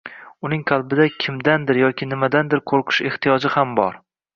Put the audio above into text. Uning qalbida kimdandir yoki nimadandir qo‘rqish ehtiyoji ham bor.